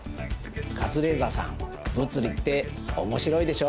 カズレーザーさん物理って面白いでしょ？